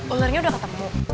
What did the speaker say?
ulernya udah ketemu